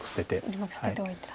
１目捨てておいてと。